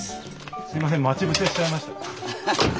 すみません待ち伏せしちゃいました。